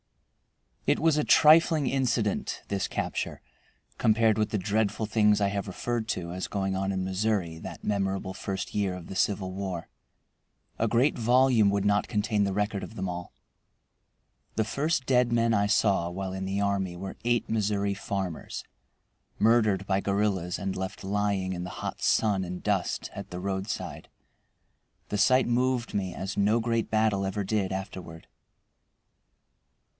It was a trifling incident, this capture, compared with the dreadful things I have referred to as going on in Missouri that memorable first year of the Civil War. A great volume would not contain the record of them all. The first dead men I saw while in the army were eight Missouri farmers murdered by guerrillas and left lying in the hot sun and dust at the roadside. The sight moved me as no great battle ever did afterward.